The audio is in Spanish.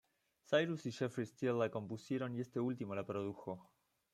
Cyrus y Jeffrey Steele la compusieron y este último la produjo.